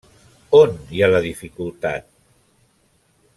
On hi ha la dificultat?